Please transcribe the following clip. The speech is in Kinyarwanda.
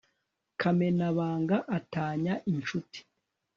kamenabanga atanya incuti